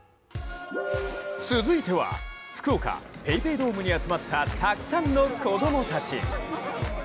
続いては福岡ＰａｙＰａｙドームに集まったたくさんの子供たち。